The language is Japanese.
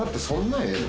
そんなに。